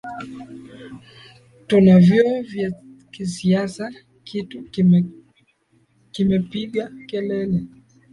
tuna vyoo vya kisasa kitu kime kimepiga kelele